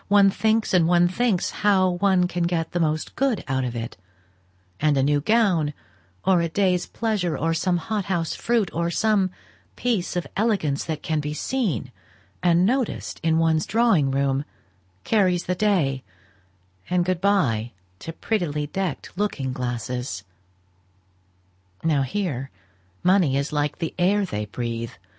One thinks and one thinks how one can get the most good out of it; and a new gown, or a day's pleasure, or some hot house fruit, or some piece of elegance that can be seen and noticed in one's drawing room, carries the day, and good by to prettily decked looking glasses. Now here, money is like the air they breathe.